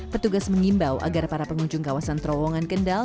petugas mengimbau agar para pengunjung kawasan terowongan kendal